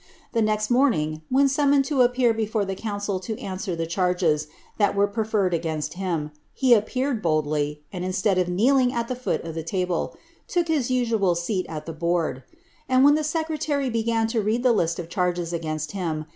^e iiexi morning, when aummoned to appear before the council to ani««t the eliarges that were preferred against him, he appeared boldly, tBd instead of kneeling at the foot of the table, look his nsaal seal at &t board ; and when the secretary began to read tlie list of ch&rges agiinn him.